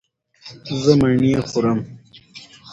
زه مڼې خورم